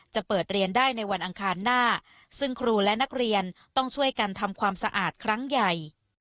จะเปิดเรียนได้ในวันอังคารหน้าซึ่งครูและนักเรียนต้องช่วยกันทำความสะอาดครั้งใหญ่